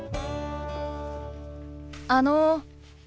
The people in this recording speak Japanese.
あの。